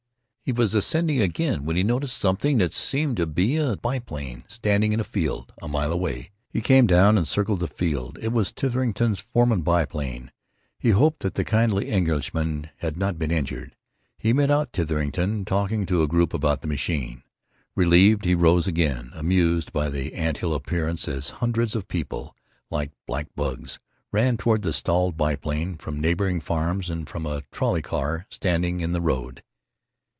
He was ascending again when he noted something that seemed to be a biplane standing in a field a mile away. He came down and circled the field. It was Titherington's Farman biplane. He hoped that the kindly Englishman had not been injured. He made out Titherington, talking to a group about the machine. Relieved, he rose again, amused by the ant hill appearance as hundreds of people, like black bugs, ran toward the stalled biplane, from neighboring farms and from a trolley car standing in the road.